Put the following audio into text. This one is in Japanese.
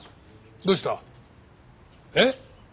どうした？えっ！？